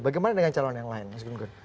bagaimana dengan calon yang lain mas gun gun